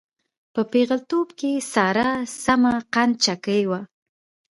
په پېغلتوب کې ساره سمه قند چکۍ وه.